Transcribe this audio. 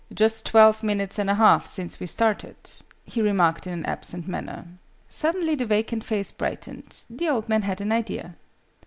"Just twelve minutes and a half since we started," he remarked in an absent manner. Suddenly the vacant face brightened; the old man had an idea.